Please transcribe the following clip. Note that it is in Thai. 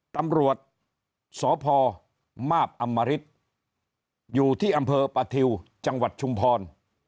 ตำรวจสพมาบอำมริตอยู่ที่อำเภอประทิวจังหวัดชุมพร